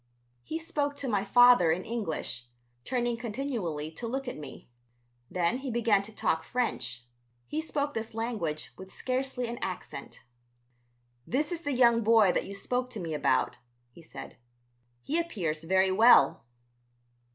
He spoke to my father in English, turning continually to look at me. Then he began to talk French; he spoke this language with scarcely an accent. "This is the young boy that you spoke to me about?" he said. "He appears very well."